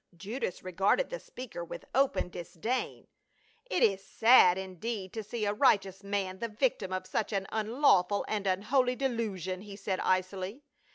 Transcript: Judas regarded the speaker with open disdain. " It is sad indeed to see a righteous man the victim of such an unlawful and unholy delusion," he said icily.